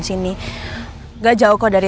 sini gak jauh kok dari